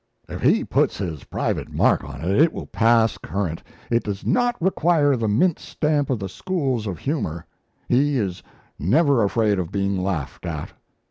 "If he puts his private mark on it, it will pass current; it does not require the mint stamp of the schools of humour. He is never afraid of being laughed at."